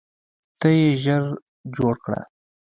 ته یې ژر جوړ کړه.